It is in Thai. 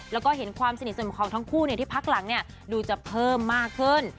แล้วก็เห็นความสนิทสนมของทั้งคู่ที่พักหลังดูจะเพิ่มมากขึ้น